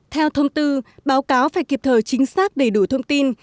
theo thông tư báo cáo phải kịp thời chính xác đầy đủ thông tin